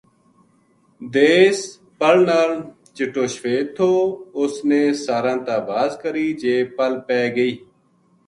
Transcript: دیس پل نال چِٹو شوید تھو اس نے ساراں تا واز کری جے پل پے گئی